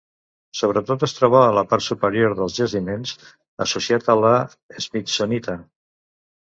Sobretot es troba a la part superior dels jaciments, associat a la smithsonita.